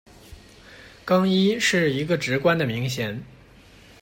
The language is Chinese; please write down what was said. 更衣是一个职官的名衔。